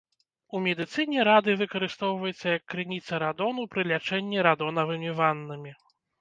У медыцыне радый выкарыстоўваецца як крыніца радону пры лячэнні радонавымі ваннамі.